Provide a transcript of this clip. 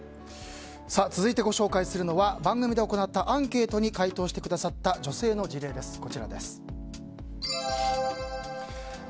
続いてご紹介するのは番組で行ったアンケートに回答してくださった女性の事例です。